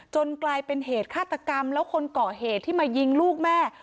กลายเป็นเหตุฆาตกรรมแล้วคนก่อเหตุที่มายิงลูกแม่